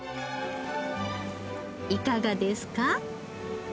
いかがですか？